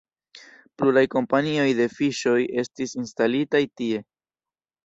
Pluraj kompanioj de fiŝoj estis instalitaj tie.